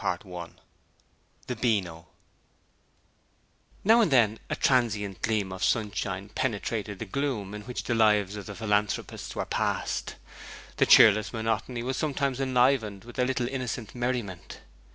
Chapter 44 The Beano Now and then a transient gleam of sunshine penetrated the gloom in which the lives of the philanthropists were passed. The cheerless monotony was sometimes enlivened with a little innocent merriment.